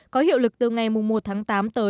có hiệu lực từ ngày một tháng hai